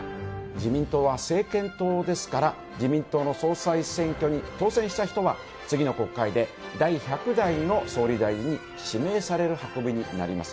自民党は政権党ですから自民党の総裁選挙に当選した人は次の国会で第１００代の総理大臣に指名される運びになります。